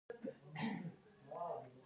دوی به غلامان په ځینو وسایلو سوځول.